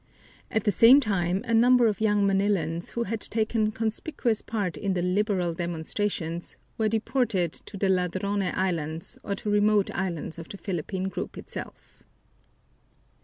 At the same time a number of young Manilans who had taken conspicuous part in the "liberal" demonstrations were deported to the Ladrone Islands or to remote islands of the Philippine group itself.